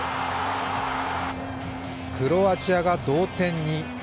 クロアチアが同点に。